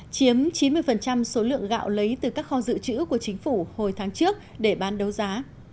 chiếm chín mươi số lượng gạo lấy từ các kho dự trữ của chính phủ hồi tháng trước để bán đấu giá